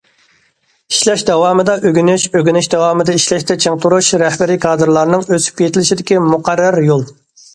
ئىشلەش داۋامىدا ئۆگىنىش، ئۆگىنىش داۋامىدا ئىشلەشتە چىڭ تۇرۇش رەھبىرىي كادىرلارنىڭ ئۆسۈپ- يېتىلىشىدىكى مۇقەررەر يول.